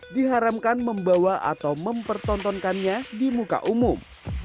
diharamkan membawa atau mempertontonkannya di muka umum